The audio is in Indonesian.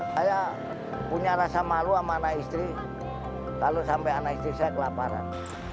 saya punya rasa malu sama anak istri kalau sampai anak istri saya kelaparan